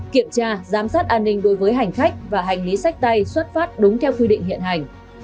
kiểm tra giám sát an ninh đối với hành khách và hành lý sách tay xuất phát đúng theo quy định hiện hành